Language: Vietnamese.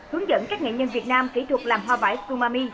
hướng dẫn các nghệ nhân việt nam kỹ thuật làm hoa vải tsumami